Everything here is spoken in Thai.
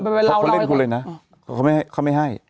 ไม่ก็สอนรถช็อตเลยนะเขาไม่ให้